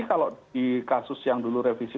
kalau di kasus yang dulu revisi